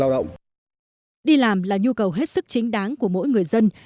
đi làm là nhu cầu hết sức chính đáng của mỗi người dân